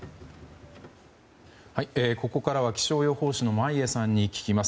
ここからは、気象予報士の眞家さんに聞きます。